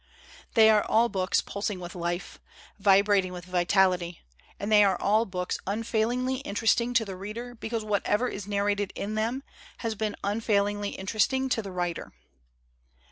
They are all books pulsing with life, vibrating with vitality, and they are all books unfailingly interesting to the reader because whatever is narrated in them has been unfailingly interest ing to the writer.